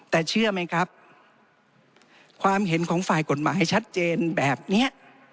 แต่เชื่อไหมครับความเห็นของฝ่ายกฎหมายชัดเจนแบบนี้